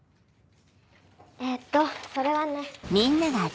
えっとそれはね。